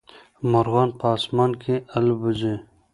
مرغان په اسمان کي البوځي.